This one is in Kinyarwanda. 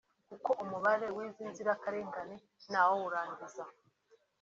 kuko umubare w’izi nzirakarengane ntawawurangiza